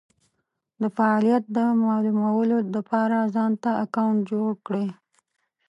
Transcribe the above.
دفعالیت د مالومولو دپاره ځانته اکونټ جوړ کړی